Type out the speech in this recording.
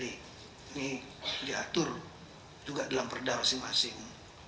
ini diatur juga dalam perda masing masing